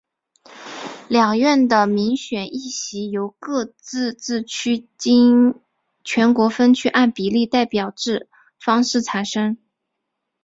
两院的民选议席由各自治区经全国分区按比例代表制方式产生。